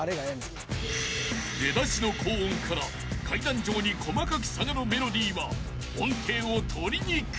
［出だしの高音から階段状に細かく下がるメロディーは音程を取りにくい］